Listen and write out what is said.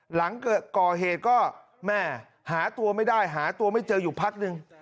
หลังก่อเหตุก็แม่หาตัวไม่ได้หาตัวไม่เจออยู่พักนึง